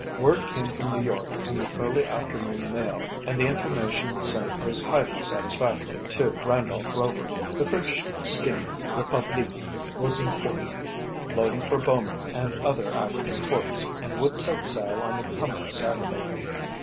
Word came from New York in the early afternoon mail, and the information sent was highly satisfactory to Randolph Rover. The French steamer Republique was in port, loading for Boma and other African ports, and would set sail on the coming Saturday.